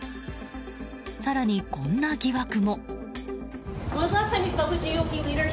更に、こんな疑惑も。